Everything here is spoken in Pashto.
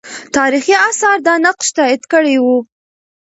تاریخي آثار دا نقش تایید کړی وو.